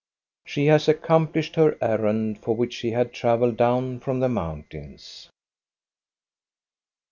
She has accomplished her errand, for which she had travelled down from the mountains.